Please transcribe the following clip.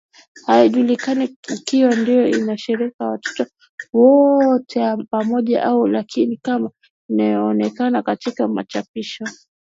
Haijulikani ikiwa ndio inashiriki watoto wowote pamoja au la Lakini kama inavyoonekana katika machapisho